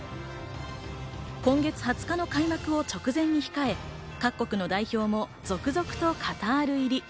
今月２０日の開幕を直前に控え、各国の代表も続々とカタール入り。